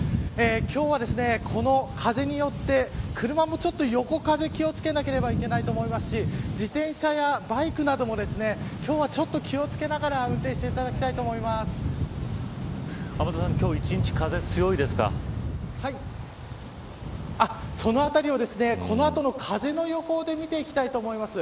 今日は、この風によって車もちょっと横風気を付けなければいけないと思いますし自転車やバイクなども今日はちょっと気を付けながら運転していただきたいと天達さんそのあたりをこの後の風の予報で見ていきたいと思います。